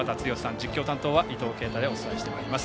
実況担当は伊藤慶太でお伝えしてまいります。